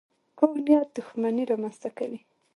کوږ نیت دښمني رامنځته کوي